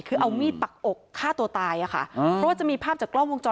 คือเอามีดปักอกฆ่าตัวตายอะค่ะเพราะว่าจะมีภาพจากกล้องวงจร